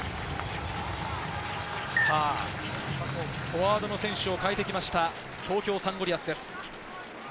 フォワードの選手を代えてきました、東京サンゴリアスです。